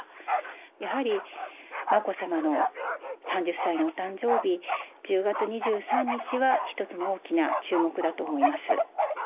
やはり眞子さまの３０歳の誕生日１０月２３日は、一つの大きな注目だと思います。